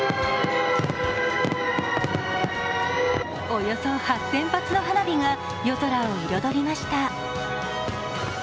およそ８０００発の花火が夜空を彩りました。